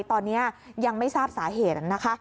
ตอนนี้ยังไม่ทราบสาเหตุนะคะ